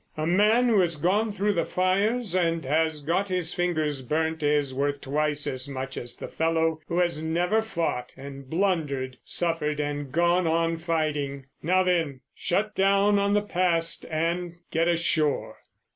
A man who has gone through the fires and has got his fingers burnt is worth twice as much as the fellow who has never fought and blundered, suffered and gone on fighting. Now then, shut down on the past and ... get ashore!"